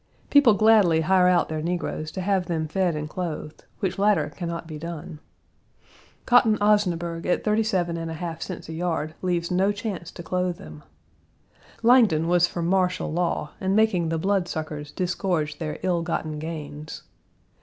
People gladly hire out their negroes to have them fed and clothed, which latter can not be done. Cotton osnaburg at 37 1/2 cents a yard, leaves no chance to clothe them. Langdon was for martial law and making the bloodsuckers disgorge their ill gotten gains.